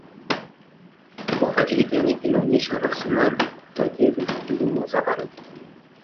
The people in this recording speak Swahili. Wakati kijani inaonyesha rasilimali tajiri za kilimo za ardhi